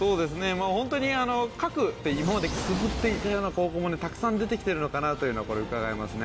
ホントに今までくすぶっていたような高校もたくさん出てきてるのかなというのがうかがえますね。